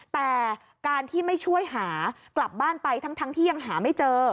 แต่การที่ไม่ช่วยหากลับบ้านไปทั้งที่ยังหาไม่เจอ